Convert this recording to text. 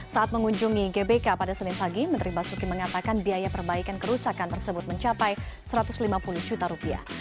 saat mengunjungi gbk pada senin pagi menteri basuki mengatakan biaya perbaikan kerusakan tersebut mencapai satu ratus lima puluh juta rupiah